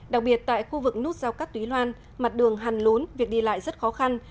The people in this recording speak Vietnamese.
đặc biệt tại khu vực nút giao cát túy loan mặt đường hằn lốn việc đi lại rất khó khăn